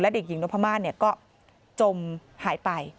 และเด็กหญิงโนภามาศก็จมหายไป